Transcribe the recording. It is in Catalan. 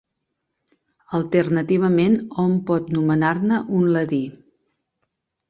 Alternativament hom pot nomenar-ne un ladí.